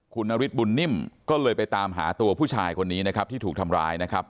คุณนฤทธิบุญนิ่มก็เลยไปตามหาตัวผู้ชายคนนี้นะครับที่ถูกทำร้ายนะครับ